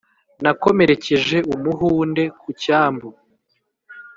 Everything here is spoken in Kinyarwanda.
Nakomerekeje umuhunde ku cyambu